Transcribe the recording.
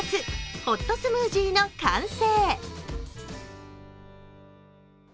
ホットスムージーの完成！